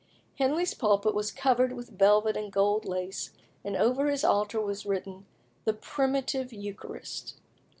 Henley's pulpit was covered with velvet and gold lace, and over his altar was written, "The PRIMITIVE Eucharist."